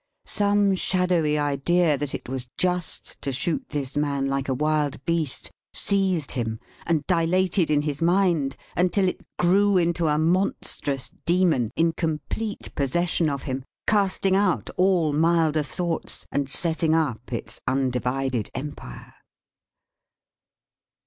Some shadowy idea that it was just to shoot this man like a Wild Beast, seized him; and dilated in his mind until it grew into a monstrous demon in complete possession of him, casting out all milder thoughts and setting up its undivided empire.